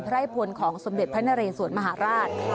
ไร่พลของสมเด็จพระนเรสวนมหาราช